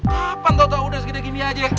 kapan tau tau udah segini aja